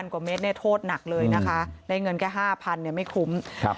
๕๐๐๐กว่าเมตรเนี่ยโทษหนักเลยนะคะได้เงินแค่๕๐๐๐ไม่คุ้ม